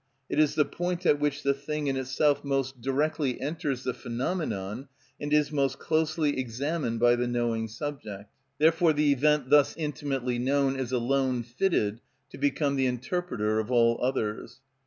It is the point at which the thing in itself most directly enters the phenomenon and is most closely examined by the knowing subject; therefore the event thus intimately known is alone fitted to become the interpreter of all others.